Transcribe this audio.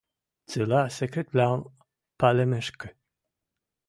Цилӓ секретвлӓм пӓлӹмешкӹ.